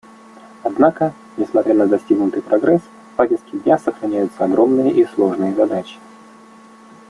Однако, несмотря на достигнутый прогресс, в повестке дня сохраняются огромные и сложные задачи.